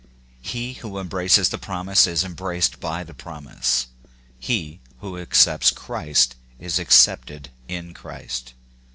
He who embraces the promise is embraced by the promise. He who accepts Christ is accept ed in Christ.